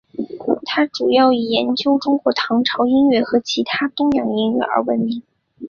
他主要以研究中国唐朝音乐和其他东洋音乐而闻名。